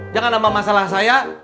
jangan nambah masalah saya